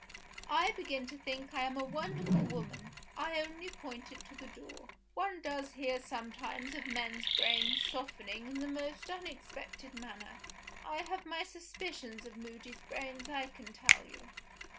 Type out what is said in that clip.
I begin to think I am a wonderful woman I only pointed to the door. One does hear sometimes of men's brains softening in the most unexpected manner. I have my suspicions of Moody's brains, I can tell you."